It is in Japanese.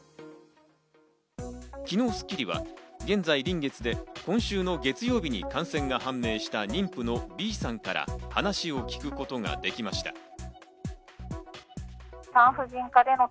昨日、『スッキリ』は現在、臨月で今週の月曜日に感染が判明した妊婦のＢさんから話を聞くことができました。